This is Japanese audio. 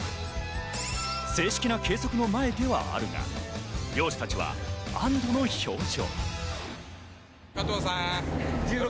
正式な計測の前ではあるが、漁師たちは安堵の表情。